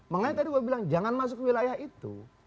makanya tadi gue bilang jangan masuk ke wilayah itu